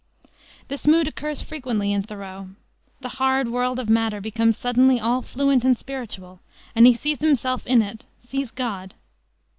This mood occurs frequently in Thoreau. The hard world of matter becomes suddenly all fluent and spiritual, and he sees himself in it sees God.